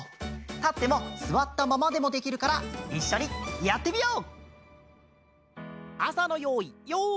たってもすわったままでもできるからいっしょにやってみよう！